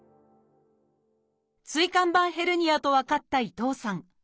椎間板ヘルニアと分かった伊藤さん。